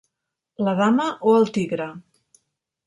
La dama o el tigre?